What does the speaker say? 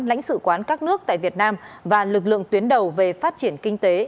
lãnh sự quán các nước tại việt nam và lực lượng tuyến đầu về phát triển kinh tế